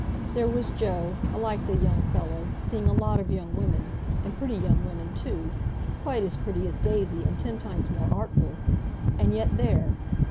There was Joe, a likely young fellow, seeing a lot of young women, and pretty young women, too,—quite as pretty as Daisy, and ten times more artful—and yet there!